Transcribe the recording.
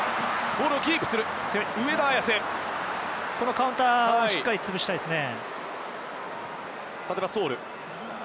カウンターはしっかり潰したいですね。